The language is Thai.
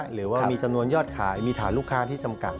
หรือว่ามีจำนวนยอดขายมีฐานลูกค้าที่จำกัด